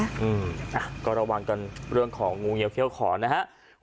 อืมอ่ะก็ระวังกันเรื่องของงูเงียวเขี้ยวขอนะครับ